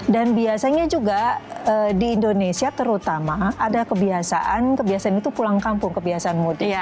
dan biasanya juga di indonesia terutama ada kebiasaan kebiasaan itu pulang kampung kebiasaan mudik